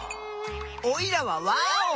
おいらはワーオ！